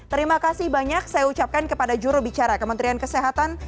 terima kasih banyak saya ucapkan kepada jurubicara kementerian kesehatan